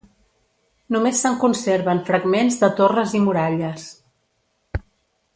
Només se'n conserven fragments de torres i muralles.